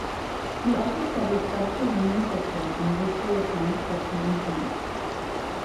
He also studied subterranean fiction and the history of science fiction in France.